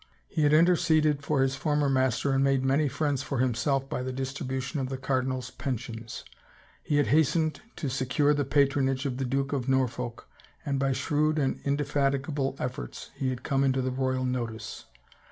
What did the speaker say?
He had interceded for his former master and made many friends for himself by the distribution of the cardinal's pensions ; he had hastened to secure the patronage of the Duke of Norfolk and by shrewd and. indefatigable efforts he had come into the royal notice.